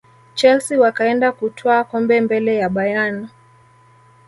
chelsea wakaenda kutwaa kombe mbele ya bayern